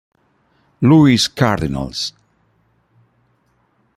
Louis Cardinals".